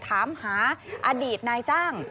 ถามหาอดีตนายจ้าง